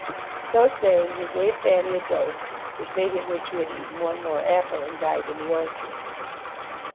So >ayini; he i^ave Thanny a do>e which made him wish he had eaten one more apple and died in the orchard.